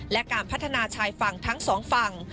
และการพัฒนาชายฝั่งทั้งสองฝั่ง